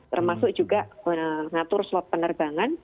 termasuk juga mengatur slot penerbangan